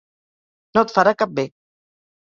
No et farà cap bé.